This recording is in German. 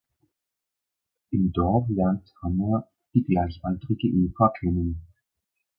Im Dorf lernt Hanna die gleichaltrige Eva kennen.